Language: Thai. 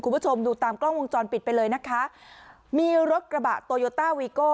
คุณผู้ชมดูตามกล้องวงจรปิดไปเลยนะคะมีรถกระบะโตโยต้าวีโก้